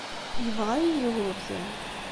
Yebɣa-yi Yugurten.